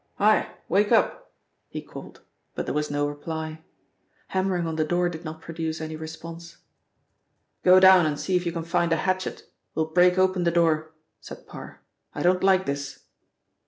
"Hi! Wake up!" he called, but there was no reply. Hammering on the door did not produce any response. "Go down and see if you can find a hatchet, we'll break open the door," said Parr. "I don't like this."